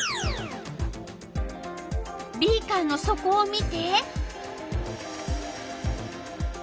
ビーカーのそこを見て。